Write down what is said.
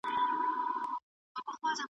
هم تر وروڼو هم خپلوانو سره ګران وه .